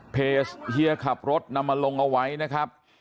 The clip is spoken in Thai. เฮียขับรถนำมาลงเอาไว้นะครับ